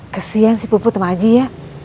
kesian si pupu sama aji ya